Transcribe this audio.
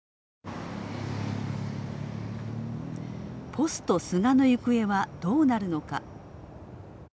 ポスト菅の行方はどうなるのか。